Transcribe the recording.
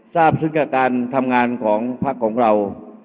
ทราบซึ้งกับการทำงานของพักของเรา